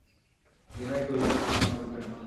বিনয় কহিল, না আপনি উঠবেন না।